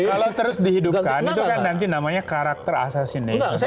kalau terus dihidupkan itu kan nanti namanya karakter asasination